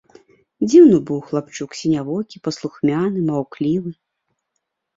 Дзіўны быў хлапчук, сінявокі, паслухмяны, маўклівы.